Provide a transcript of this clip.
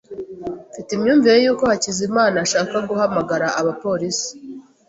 Mfite imyumvire yuko Hakizimana ashaka guhamagara abapolisi.